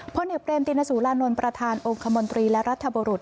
พ่อเหนียวเปลมติณสุรานลนต์ประธานองค์คมนตรีและรัฐบุรุษ